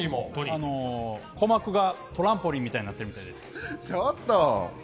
鼓膜がトランポリンみたいになってるみたいです。